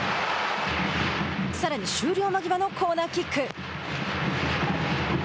さらに終了間際のコーナーキック。